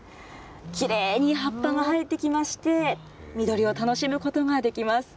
きれいに葉っぱが生えてきまして、緑を楽しむことができます。